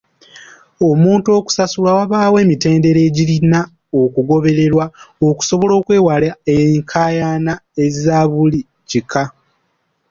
Omuntu okusasulwa wabaawo emitendera egirina okugobererwa okusobola okwewala enkayana ezaabuli kika.